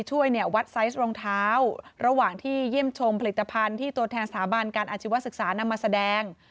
ช่วยเนี่ยวัดไซส์รองเท้าระหว่างที่เยี่ยมชมผลิตภัณฑ์ที่ตัวแทนสถาบันการอาชีวศึกษานำมาแสดง